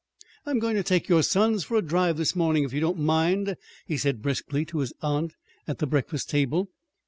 "I'm going to take your sons for a drive this morning, if you don't mind," he said briskly to his aunt at the breakfast table.